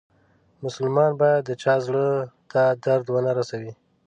مسلمان باید د چا زړه ته درد و نه روسوي.